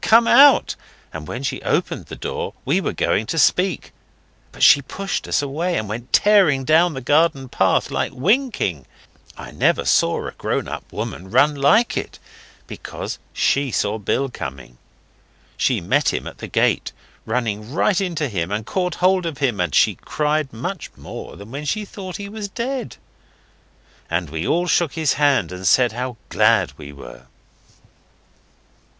come out!' and when she opened the door we were going to speak, but she pushed us away, and went tearing down the garden path like winking. I never saw a grown up woman run like it, because she saw Bill coming. She met him at the gate, running right into him, and caught hold of him, and she cried much more than when she thought he was dead. And we all shook his hand and said how glad we were.